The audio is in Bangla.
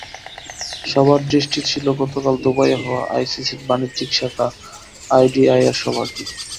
সবার দৃষ্টি ছিল গতকাল দুবাইয়ে হওয়া আইসিসির বাণিজ্যিক শাখা আইডিআইয়ের সভার দিকে।